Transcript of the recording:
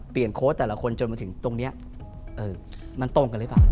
เปลี่ยนโค้ดแต่ละคนจนถึงตรงนี้มันตรงกันหรือเปล่า